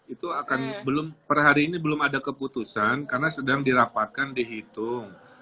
itu akan belum per hari ini belum ada keputusan karena sedang dirapatkan dihitung